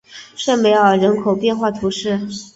圣梅尔人口变化图示